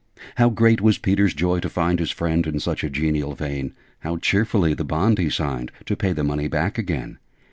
How great was Peter's joy to find His friend in such a genial vein! How cheerfully the bond he signed, To pay the money back again!